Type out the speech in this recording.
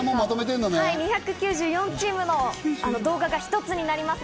２９４チームの動画が一つになります。